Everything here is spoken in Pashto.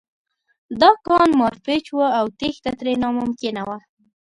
دا کان مارپیچ و او تېښته ترې ناممکنه وه